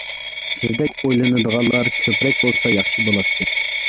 سىزدەك ئويلىنىدىغانلار كۆپرەك بولسا ياخشى بولاتتى.